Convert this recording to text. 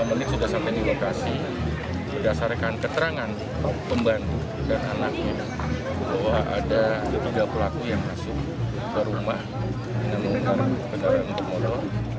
anggota dapat informasi berdasarkan keterangan pembantu dan anaknya bahwa ada tiga pelaku yang masuk ke rumah dengan mengundang kegagalan untuk modal